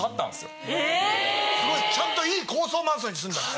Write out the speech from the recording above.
すごいちゃんといい高層マンションに住んだんです。